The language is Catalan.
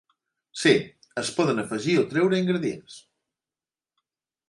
Sí, es poden afegir o treure ingredients.